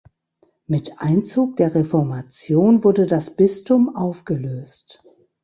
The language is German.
Mit Einzug der Reformation wurde das Bistum aufgelöst.